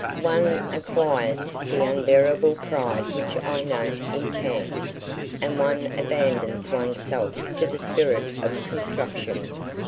One acquires the unbearable pride which I note in Kant, and one abandons one's self to the spirit of construction.